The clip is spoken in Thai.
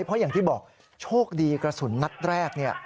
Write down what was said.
เพราะอย่างที่บอกโชคดีกระสุนนัดแรกเนี่ย